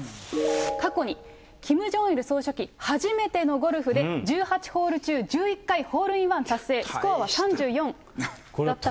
過去にキム・ジョンイル総書記、初めてのゴルフで、１８ホール中１１回ホールインワン達成、スコアは３４だったと。